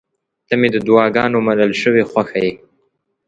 • ته مې د دعاګانو منل شوې خوښه یې.